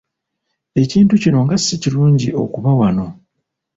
Ekintu kino nga si kirungi okuba wano.